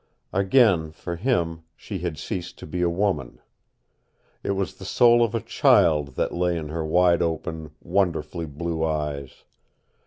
Again, for him, she had ceased to be a woman. It was the soul of a child that lay in her wide open, wonderfully blue eyes.